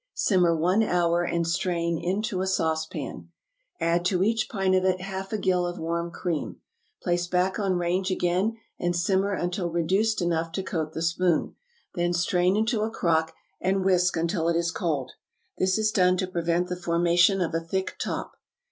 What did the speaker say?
Simmer one hour, and strain into a saucepan. Add to each pint of it half a gill of warm cream. Place back on range again, and simmer until reduced enough to coat the spoon, then strain into a crock, and whisk until it is cold. This is done to prevent the formation of a thick top.